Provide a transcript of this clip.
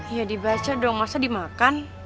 ya dibaca dong masa dimakan